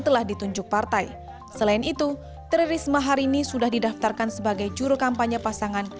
telah ditunjuk partai selain itu tri risma hari ini sudah didaftarkan sebagai juru kampanye pasangan